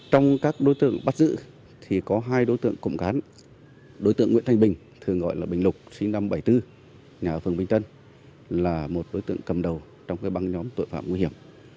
các đối tượng bắt giữ thì có hai đối tượng cộng cán đối tượng nguyễn thanh bình thường gọi là bình lục sinh năm một nghìn chín trăm bảy mươi bốn nhà ở phường bình tân là một đối tượng cầm đầu trong cái băng nhóm tội phạm nguy hiểm